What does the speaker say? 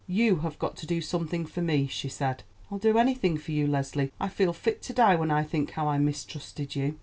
"You have got to do something for me," she said. "I'll do anything for you, Leslie; I feel fit to die when I think how I mistrusted you."